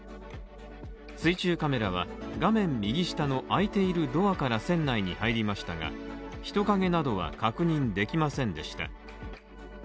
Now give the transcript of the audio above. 水中カメラは画面右下の開いているドアから船内に入りましたが、人影などは確認できませんでした。